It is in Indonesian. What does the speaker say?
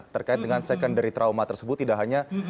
terkait dengan secondary trauma tersebut tidak hanya korban yang terjadi